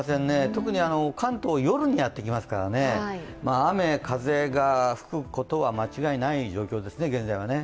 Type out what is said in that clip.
特に関東、夜にやってきますから、雨、風が吹くことは間違いない状況ですね、現在はね。